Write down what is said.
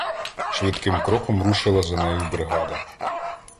Швидким кроком рушила за нею бригада.